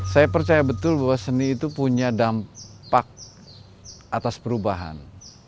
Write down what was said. saya percaya betul bahwa seni itu punya dampak atas perubahan